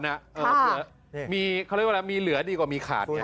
เขาเรียกว่ามีเหลือดีกว่ามีขาด